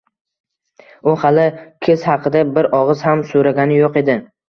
U xali kiz haqida bir og`iz ham suragini yo`q edi